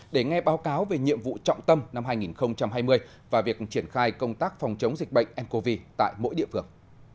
để nghe báo cáo về nhiệm vụ trọng tâm năm hai nghìn hai mươi và việc triển khai công tác phòng chống dịch bệnh ncov tại mỗi địa phương